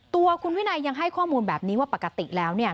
ตัวคุณวินัยยังให้ข้อมูลแบบนี้ว่าปกติแล้วเนี่ย